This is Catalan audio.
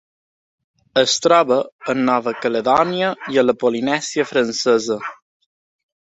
Es troba a Nova Caledònia i a la Polinèsia Francesa.